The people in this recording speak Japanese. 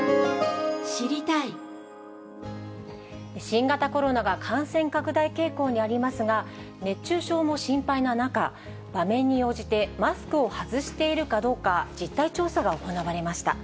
新型コロナが感染拡大傾向にありますが、熱中症も心配な中、場面に応じてマスクを外しているかどうか、実態調査が行われました。